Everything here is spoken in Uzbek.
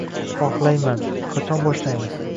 — Xohlayman. Qachon boshlaymiz?